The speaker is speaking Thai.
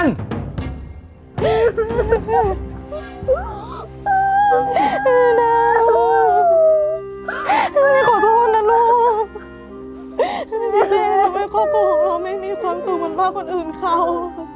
น้ำไม่ได้ขอโทษนะลูกทำไมครอบครัวของเราไม่มีความสุขเหมือนบ้างคนอื่นเขา